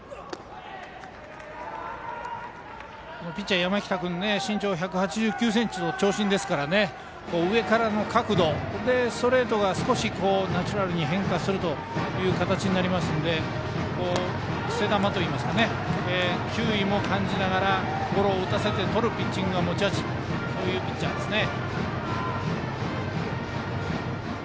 ピッチャーの山北君身長１８９ｃｍの長身なので上からの角度ストレートが少しナチュラルに変化する形になりますのでくせ球といいますか球威も感じながらゴロを打たせてとるピッチングが持ち味というピッチャーですね。